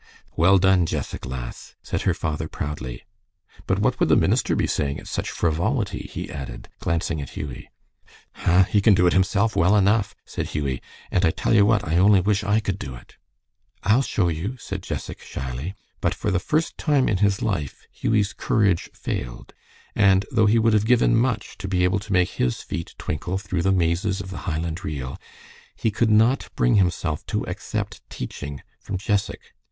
"Well done, Jessac, lass," said her father, proudly. "But what would the minister be saying at such frivolity?" he added, glancing at Hughie. "Huh! he can do it himself well enough," said Hughie, "and I tell you what, I only wish I could do it." "I'll show you," said Jessac, shyly, but for the first time in his life Hughie's courage failed, and though he would have given much to be able to make his feet twinkle through the mazes of the Highland reel, he could not bring himself to accept teaching from Jessac.